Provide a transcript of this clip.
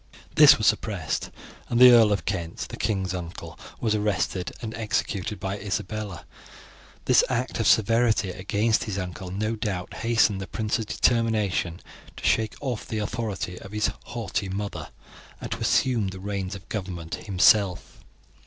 This was suppressed, and the Earl of Kent, the king's uncle, was arrested and executed by Isabella. This act of severity against his uncle, no doubt, hastened the prince's determination to shake off the authority of his haughty mother and to assume the reins of government himself.